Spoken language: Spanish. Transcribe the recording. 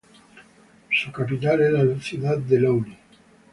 Su capital es la ciudad de Louny.